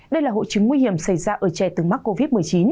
đây là hội chứng nguy hiểm xảy ra ở trẻ từng mắc covid một mươi chín